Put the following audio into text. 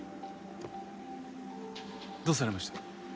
どうされました？